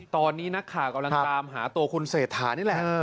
ตอนนี้นักข่าวกำลังตามหาตัวคุณเศรษฐานี่แหละ